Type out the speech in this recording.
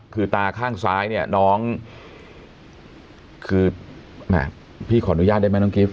คือตาข้างซ้ายเนี่ยน้องคือแหมพี่ขออนุญาตได้ไหมน้องกิฟต